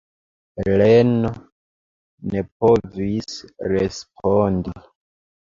Heleno ne povis respondi.